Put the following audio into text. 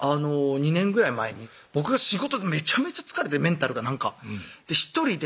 ２年ぐらい前に僕が仕事めちゃめちゃ疲れてメンタルがなんか１人で